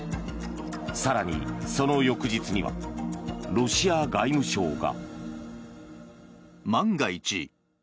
更にその翌日にはロシア外務省が。